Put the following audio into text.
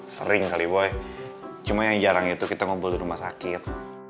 sering kali boy cuma yang jarang itu kita ngumpul di rumah sakit